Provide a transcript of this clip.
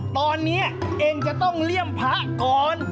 ตอนนี้เองจะต้องเลี่ยมพระก่อน